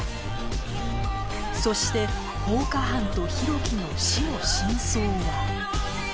そして放火犯と浩喜の死の真相は？